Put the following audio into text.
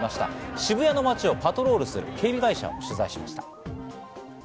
渋谷の街をパトロールする警備会社を取材しました。